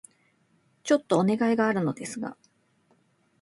ちょっとお願いがあるのですが...